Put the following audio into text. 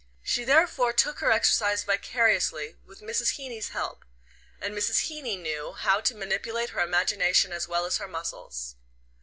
She therefore took her exercise vicariously, with Mrs. Heeny's help; and Mrs. Heeny knew how to manipulate her imagination as well as her muscles.